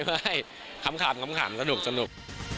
ไม่คำคำสนุก